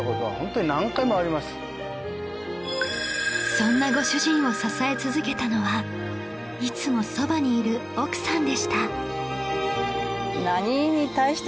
そんなご主人を支え続けたのはいつもそばにいる奥さんでした